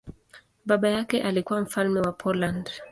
Baba yake alikuwa mfalme wa Poland.